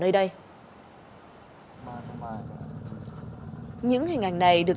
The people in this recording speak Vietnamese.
những hình ảnh này được chúng tôi gọi là tình trạng khai thác cát trái phép